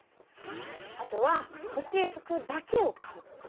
あとはほしい服だけを買う。